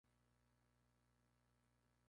Madrid: Verbum.